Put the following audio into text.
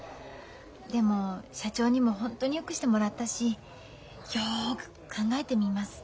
でも社長にもホントによくしてもらったしよく考えてみます。